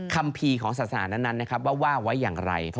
คัมภีร์ของศาสนานั้นเอ้าว่าว่าอย่างไร